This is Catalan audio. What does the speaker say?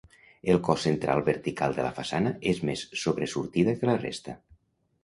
El cos central vertical de la façana és més sobresortida que la resta.